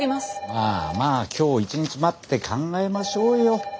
☎まあまあ今日一日待って考えましょうよ。